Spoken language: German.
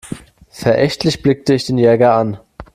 Verächtlich blickte ich den Jäger an.